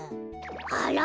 あ。